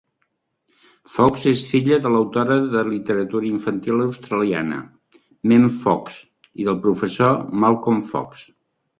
Fox és filla de l'autora de literatura infantil australiana, Mem Fox, i del professor Malcolm Fox.